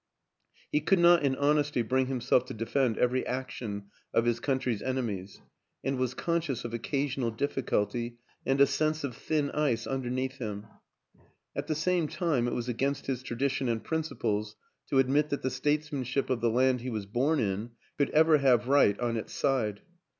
He could not in honesty bring himself to defend every action of his country's enemies and was conscious of occa sional difficulty and a sense of thin ice underneath him; at the same time it was against his tradition and principles to admit that the statesmanship of the land he was born in could ever have right on its side.